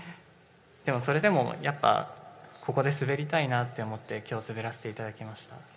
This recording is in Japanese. でもそれでもやっぱり、ここで滑りたいなと思って今日滑らせていただきました。